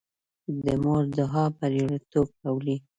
د مور دعا بریالیتوب راولي.